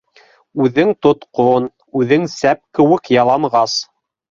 Үҙең тотҡон, үҙең сәп кеүек яланғас.